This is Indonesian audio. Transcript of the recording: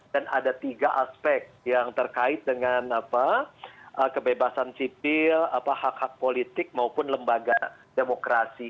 dan ada tiga aspek yang terkait dengan kebebasan sipil hak hak politik maupun lembaga demokrasi